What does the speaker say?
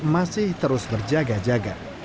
masih terus berjaga jaga